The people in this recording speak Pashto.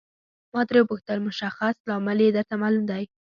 ما ترې وپوښتل مشخص لامل یې درته معلوم دی.